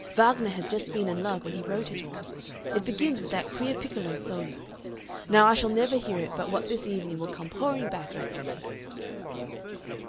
Wagner had just been in love when he wrote it all. It begins with that queer piccolo solo. Now I shall never hear it but what this evening will come pouring back over me."